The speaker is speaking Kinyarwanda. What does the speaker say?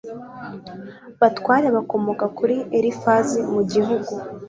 batware bakomoka kuri Elifazi mu gihugu